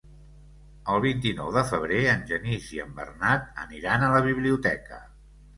El vint-i-nou de febrer en Genís i en Bernat aniran a la biblioteca.